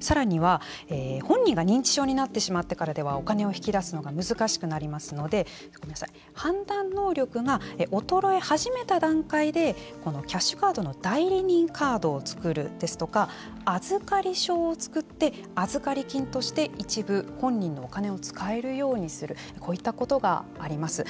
さらには本人が認知症になってからではお金を引き出すのが難しくなりますので判断能力が衰え始めた段階でキャッシュカードの代理人カードを作るですとか預かり証を作って預かり金として一部本人のお金を使えるようにするこういったことがあります。